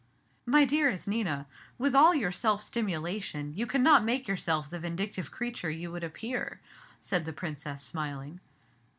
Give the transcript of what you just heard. "My dearest Nina, with all your self stimulation you cannot make yourself the vindictive creature you would appear," said the Princess, smiling.